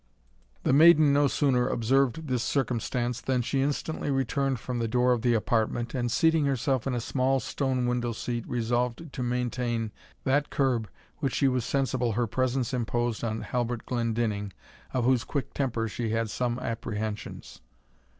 The maiden no sooner observed this circumstance, than she instantly returned from the door of the apartment, and, seating herself in a small stone window seat, resolved to maintain that curb which she was sensible her presence imposed on Halbert Glendinning, of whose quick temper she had some apprehensions.